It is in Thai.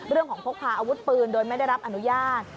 เรื่องของพกพาอาวุธปืนโดยไม่ได้รับอนุญาต